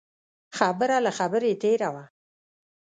خبره له خبرې تېره وه.